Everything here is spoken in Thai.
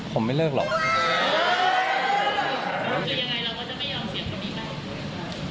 ผมไม่เลิกหรอก